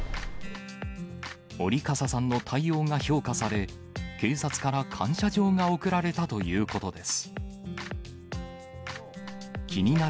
折笠さんの対応が評価され、警察から感謝状が贈られたということです。